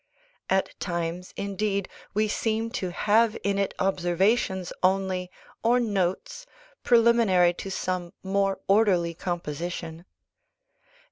At times indeed we seem to have in it observations only, or notes, preliminary to some more orderly composition.